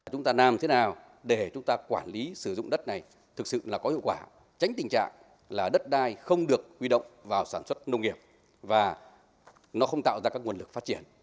chúng ta làm thế nào để chúng ta quản lý sử dụng đất này thực sự là có hiệu quả tránh tình trạng là đất đai không được quy động vào sản xuất nông nghiệp và nó không tạo ra các nguồn lực phát triển